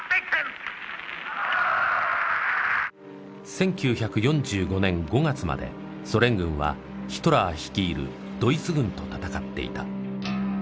１９４５年５月までソ連軍はヒトラー率いるドイツ軍と戦っていた。